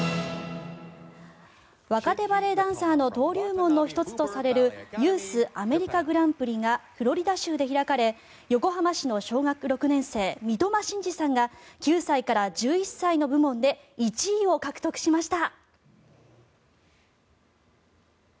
若手バレエダンサーの登竜門の１つとされるユース・アメリカ・グランプリがフロリダ州で開かれ横浜市の小学６年生三苫心嗣さんが９歳から１１歳の部門で１位を獲得しました。